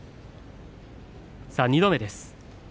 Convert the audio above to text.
２度目です。